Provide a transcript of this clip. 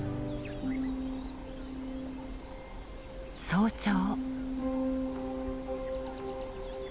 早朝。